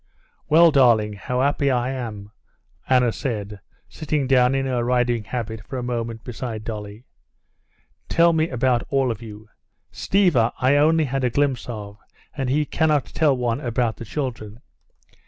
"Well, darling, how happy I am!" Anna said, sitting down in her riding habit for a moment beside Dolly. "Tell me about all of you. Stiva I had only a glimpse of, and he cannot tell one about the children.